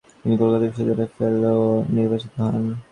তিনি কলকাতা বিশ্ববিদ্যালয়ের ফেলো নির্বাচিত হন।